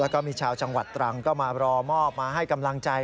แล้วก็มีชาวจังหวัดตรังก็มารอมอบมาให้กำลังใจ